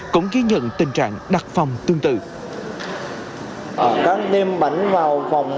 cũng ghi nhận là khách sạn ở khu vực tuyến biển